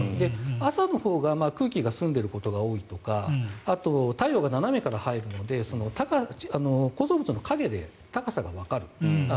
朝のほうが空気が澄んでいることが多いとかあとは太陽が斜めから入るので構造物の影で高さがわかる。